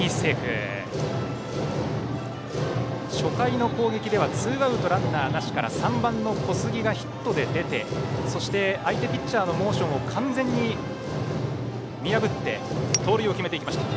初回の攻撃ではツーアウトランナーなしから３番の小杉がヒットで出て相手ピッチャーのモーションを完全に見破って盗塁を決めていきました。